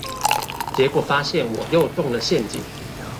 結果發現我又中了陷阱